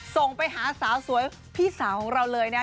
ส่งไปหาสาวสวยพี่สาวของเราเลยนะ